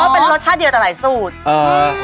เป็นรสชาติเดียวแต่หลายสูตรเออ